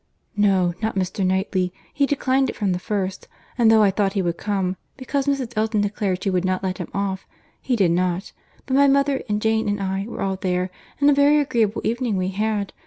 "No, not Mr. Knightley; he declined it from the first; and though I thought he would come, because Mrs. Elton declared she would not let him off, he did not;—but my mother, and Jane, and I, were all there, and a very agreeable evening we had.